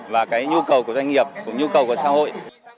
và cái nhu cầu của doanh nghiệp cũng nhu cầu của xã hội